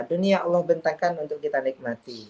dunia allah bentengkan untuk kita nikmati